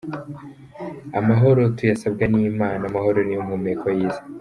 Amahoro tuyasabwa n’Imana, amahoro niyo mpumeko y’isi.